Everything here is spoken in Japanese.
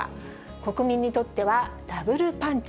国民にとってはＷパンチ。